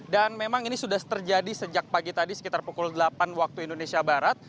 dan memang ini sudah terjadi sejak pagi tadi sekitar pukul delapan waktu indonesia barat